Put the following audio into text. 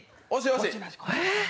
惜しい！